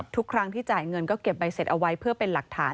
ทุกครั้งที่จ่ายเงินก็เก็บใบเสร็จเอาไว้เพื่อเป็นหลักฐาน